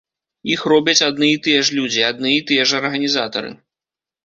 Іх робяць адны і тыя ж людзі, адны і тыя ж арганізатары.